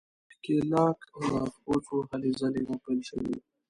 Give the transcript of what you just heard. د ښکېلاک لاسپوڅو هلې ځلې راپیل شوې.